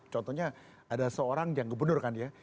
contohnya ada seorang yang gubernur kan ya